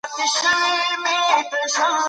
محصن زاني ته هم سزا ورکول کېږي.